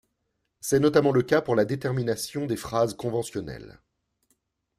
C'est notamment le cas pour la détermination des phrases conventionnelles.